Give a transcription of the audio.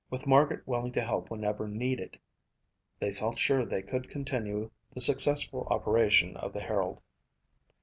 With Margaret willing to help whenever needed, they felt sure they could continue the successful operation of the Herald.